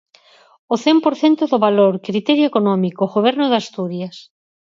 O cen por cento do valor, criterio económico, Goberno de Asturias.